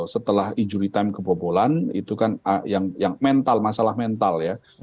setelah injury time kebobolan itu kan yang mental masalah mental ya